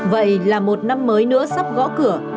vậy là một năm mới nữa sắp gõ cửa